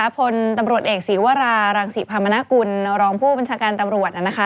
พลตำรวจเอกศีวรารังศรีพามนากุลรองผู้บัญชาการตำรวจ